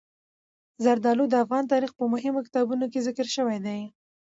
زردالو د افغان تاریخ په مهمو کتابونو کې ذکر شوي دي.